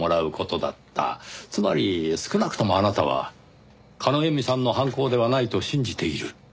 つまり少なくともあなたは叶笑さんの犯行ではないと信じている。